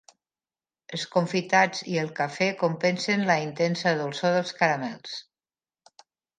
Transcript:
Els confitats i el cafè compensen la intensa dolçor dels caramels.